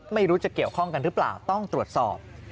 ไม่รู้จะเกี่ยวข้องกันหรือเปล่าต้องตรวจสอบ